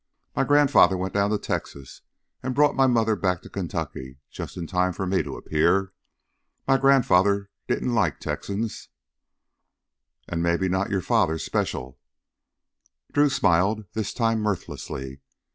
My grandfather went down to Texas and brought my mother back to Kentucky just in time for me to appear. My grandfather didn't like Texans." "An' maybe not your father, special?" Drew smiled, this time mirthlessly.